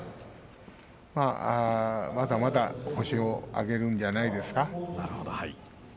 まだまだ星を挙げるんじゃないですか。